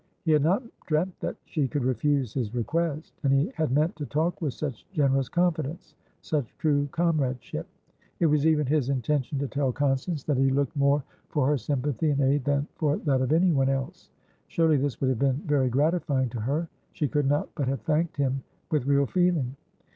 He had not dreamt that she could refuse his request. And he had meant to talk with such generous confidence, such true comradeship; it was even his intention to tell Constance that he looked more for her sympathy and aid than for that of anyone else. Surely this would have been very gratifying to her; she could not but have thanked him with real feeling.